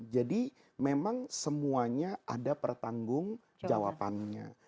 jadi memang semuanya ada pertanggung jawabannya